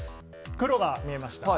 黒が見えました？